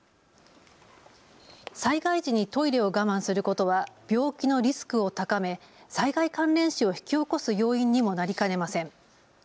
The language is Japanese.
災害時にトイレを我慢することは病気のリスクを高め災害関連死を引き起こす要因にもなりかねません。